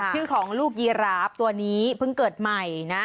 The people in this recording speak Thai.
ชื่อของลูกยีราฟตัวนี้เพิ่งเกิดใหม่นะ